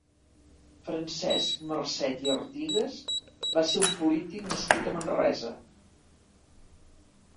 Francesc Marcet i Artigas va ser un polític nascut a Manresa.